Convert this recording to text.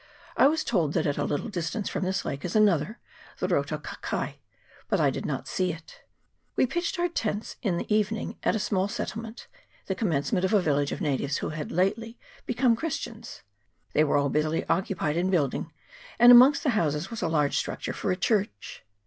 I was told that at a little distance from this lake is another, the Rotu Kakai, but I did not see it. We pitched our tents in the evening at a small settlement, the commencement of a village of natives who had lately become Christians : they were all busily occupied in building, and amongst the houses was a large struc 2c2 388 LAKE ROTU RUA. [PART II. ture for a church.